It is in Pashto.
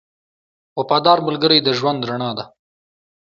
• وفادار ملګری د ژوند رڼا ده.